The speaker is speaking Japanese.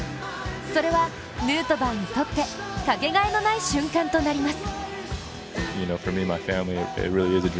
それは、ヌートバーにとってかけがえのない瞬間となります。